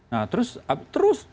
nah terus terus